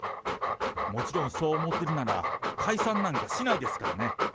もちろん、そう思ってるなら、解散なんかしないですからね。